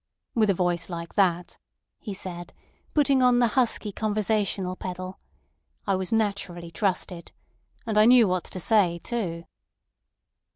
"With a voice like that," he said, putting on the husky conversational pedal, "I was naturally trusted. And I knew what to say, too."